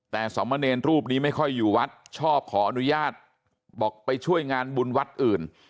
แต่สมเนรรูปนี้ไม่ค่อยอยู่วัดชอบขออนุญาตบอกไปช่วยงานบุญวัดอื่น